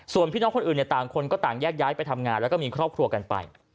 ส่วนพี่น้องคนอื่นต่างคนก็ต่างแยกย้ายไปทำงานแล้วก็มีครอบครัวกันไป